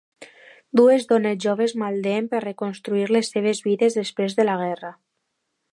Dues dones joves malden per reconstruir les seves vides després de la guerra.